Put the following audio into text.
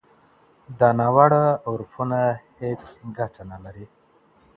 دا ناوړه عرفونه هيڅ ګټه نه لري.